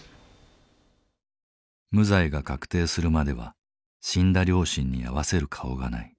無罪が確定するまでは死んだ両親に合わせる顔がない。